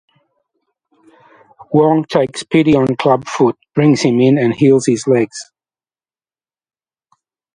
Wong takes pity on Clubfoot, brings him in, and heals his legs.